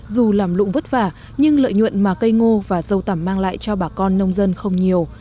dù làm lụng vất vả nhưng lợi nhuận mà cây ngô và dâu tằm mang lại cho bà con nông dân không nhiều